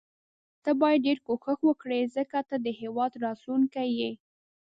ته باید ډیر کوښښ وکړي ځکه ته د هیواد راتلوونکی یې.